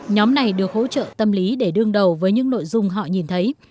nhóm này được hỗ trợ tâm lý để đương đầu với những nội dung họ nhìn thấy